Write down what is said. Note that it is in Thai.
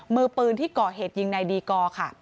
มือปืนที่ก่อเหตุยิงนายดีกอร์ค่ะ